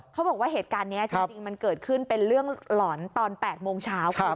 เขาบอกว่าเหตุการณ์นี้จริงมันเกิดขึ้นเป็นเรื่องหลอนตอน๘โมงเช้าค่ะ